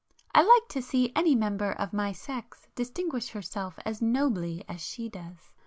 I like to see any member of my sex distinguish herself as nobly as she does.